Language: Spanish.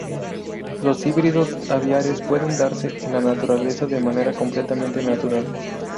Los híbridos aviares pueden darse en la naturaleza de manera completamente natural.